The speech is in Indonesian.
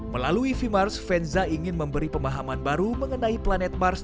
melalui v mars venza ingin memberi pemahaman baru mengenai planet mars